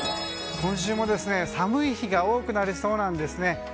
今週も寒い日が多くなりそうなんです。